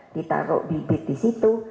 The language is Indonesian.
ditaruh bibit di situ